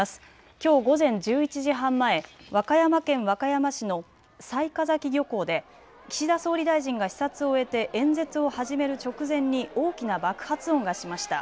きょう午前１１時半前和歌山県和歌山市の雑賀崎漁港で岸田総理大臣が視察を終えて演説を始める直前に大きな爆発音がしました。